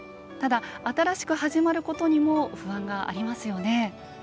ただ、新しく始まることにも不安がありますよね。